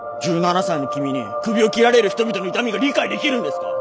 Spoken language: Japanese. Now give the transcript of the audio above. １７才の君にクビを切られる人々の痛みが理解できるんですか。